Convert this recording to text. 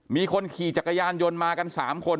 มีคนขี่จักรยานยนต์มากัน๓คน